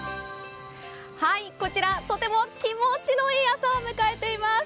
こちらとても気持ちのいい朝を迎えています。